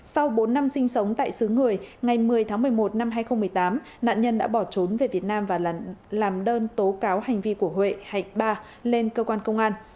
sau bốn năm sinh sống tại xứ người ngày một mươi tháng một mươi một năm hai nghìn một mươi tám nạn nhân đã bỏ trốn về việt nam và làm đơn tố cáo hành vi của huệ hạnh ba lên cơ quan công an